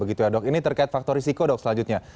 ini terkait faktor risiko dok selanjutnya